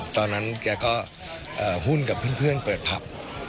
ตอนนั้นแกก็หุ้นกับเพื่อนเปิดผับ